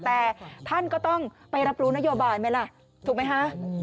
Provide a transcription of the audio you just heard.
แต่ท่านก็ต้องไปรับรู้นโยบายไหมล่ะถูกไหมคะ